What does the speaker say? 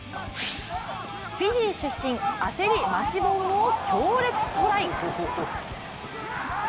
フィジー出身、アセリ・マシヴォウの強烈トライ。